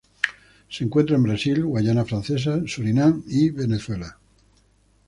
Se encuentra en Brasil Guayana Francesa, Surinam y Venezuela.